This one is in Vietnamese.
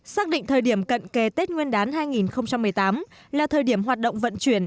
xác định thời điểm cận kề tết nguyên đán hai nghìn một mươi tám là thời điểm hoạt động vận chuyển